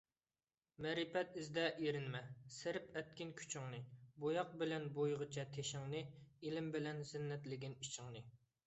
مەرىپەت ئىزدە ئېرىنمە، سەرىپ ئەتكىن كۈچىڭنى؛ بوياق بىلەن بويىغىچە تېشىڭنى ، ئىلىم بىلەن زىننەتلىگىن ئىچىڭنى.